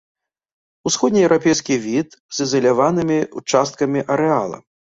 Усходне-еўрапейскі від з ізаляванымі ўчасткамі арэала.